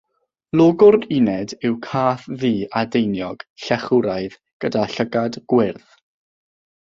Logo'r Uned yw cath ddu adeiniog, llechwraidd gyda llygad gwyrdd.